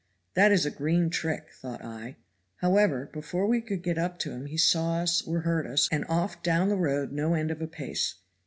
'That is a green trick,' thought I. However, before we could get up to him he saw us or heard us, and off down the road no end of a pace.